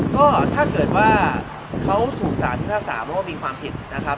ก็ถ้าเกิดว่าเขาถูกสรรพิษัทหุ้มที่๕๓เพราะว่ามีความผิดนะครับ